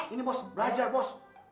ini bos belajar bos